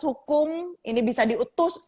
hukum ini bisa diutus